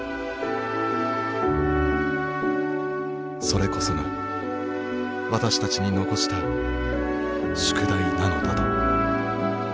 それこそが私たちに残した宿題なのだと。